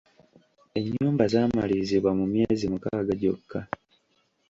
Ennyumba zaamalirizibwa mu myezi mukaaga gyokka.